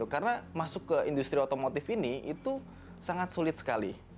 karena masuk ke industri otomotif ini itu sangat sulit sekali